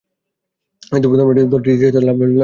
কিন্তু প্রথম রাউন্ডে দলটি তৃতীয় স্থান লাভ করেছিল।